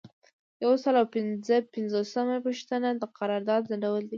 یو سل او پنځمه پوښتنه د قرارداد ځنډول دي.